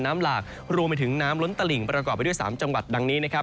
หลากรวมไปถึงน้ำล้นตลิ่งประกอบไปด้วย๓จังหวัดดังนี้นะครับ